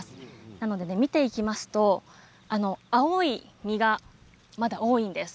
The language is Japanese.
なので見ていきますと青い実が多いんです。